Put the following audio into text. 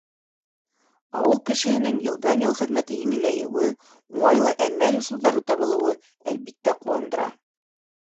Ауыл кешеһенең йылдан-йыл хеҙмәте еңеләйеүе, уңайлы әмәл-ысулдары табылыуы, әлбиттә, ҡыуандыра.